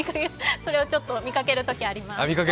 それはちょっと見かけるときあります。